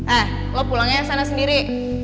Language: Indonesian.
eh lo pulang ya sana sendiri